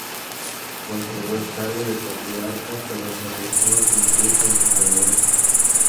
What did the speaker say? Conservó el cargo de patriarca pero se rehusó a cumplir con sus deberes.